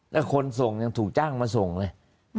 แล้วคนส่งยังถูกจ้างมาส่งเลย